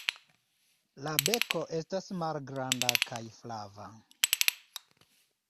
La beko estas malgranda kaj flava.